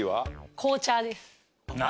紅茶です。